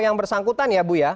yang bersangkutan ya bu ya